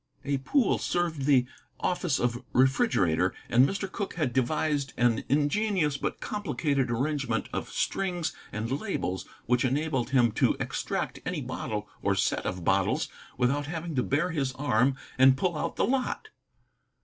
A pool served the office of refrigerator, and Mr. Cooke had devised an ingenious but complicated arrangement of strings and labels which enabled him to extract any bottle or set of bottles without having to bare his arm and pull out the lot.